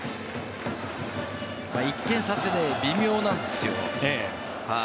１点差って微妙なんですよ。